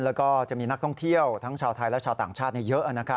แล้วก็จะมีนักท่องเที่ยวทั้งชาวไทยและชาวต่างชาติเยอะ